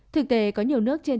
thực tế có nhiều nước trên trường